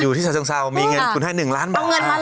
อยู่ที่ชาชังเศร้ามีเงินคุณให้หนึ่งล้านบาท